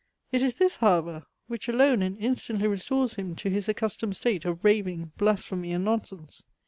It is this, however, which alone and instantly restores him to his accustomed state of raving, blasphemy, and nonsense.